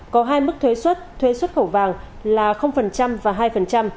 có hai mức thuế xuất thuế xuất khẩu vàng là và hai